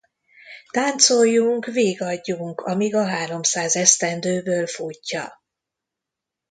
Táncoljunk, vigadjunk, amíg a háromszáz esztendőből futja.